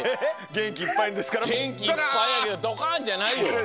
げんきいっぱいやけど「ドカン」じゃないよ。